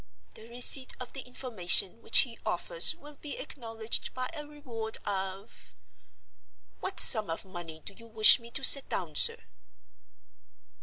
The receipt of the information which he offers will be acknowledged by a reward of—' What sum of money do you wish me to set down, sir?"